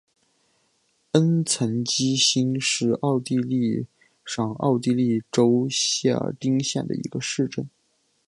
恩岑基兴是奥地利上奥地利州谢尔丁县的一个市镇。